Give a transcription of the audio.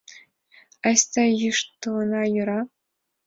— Айда йӱштылына, йӧра?